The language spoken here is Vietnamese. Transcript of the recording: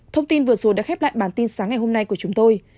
thông tin vừa rồi đã khép lại bản tin sáng ngày hôm nay của chúng tôi